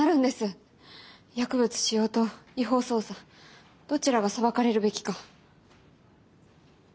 薬物使用と違法捜査どちらが裁かれるべきか。